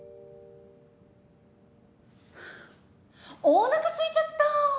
おなかすいちゃった！